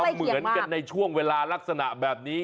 เหมือนกันในช่วงเวลาลักษณะแบบนี้